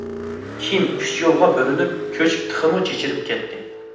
كېيىن ئۈچ يولغا بۆلۈنۈپ كۆچۈپ تېخىمۇ چېچىلىپ كەتتى.